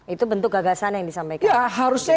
itu bentuk gagasan yang disampaikan ya harusnya